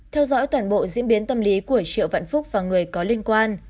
theo dõi toàn bộ diễn biến tâm lý của triệu vạn phúc và người có liên quan